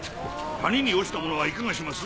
谷に落ちた者はいかがします？